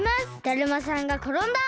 だるまさんがころんだ！